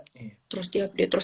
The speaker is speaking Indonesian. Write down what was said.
terus diupdate terus